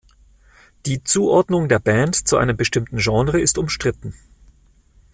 Die Zuordnung der Band zu einem bestimmten Genre ist umstritten.